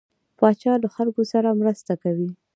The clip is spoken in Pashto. پاچا له خلکو سره مرسته کوي.